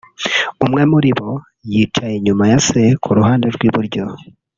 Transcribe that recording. umwe muri bo yicaye inyuma ya Se ku ruhande rw'iburyo